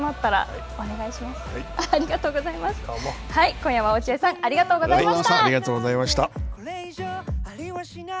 今夜は落合さんありがとうございました。